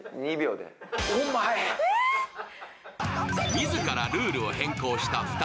自らルールを変更した２人。